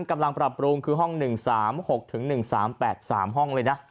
กำลังปรับปรุงคือห้อง๑๓๖๑๓๘๓ห้องเลยนะ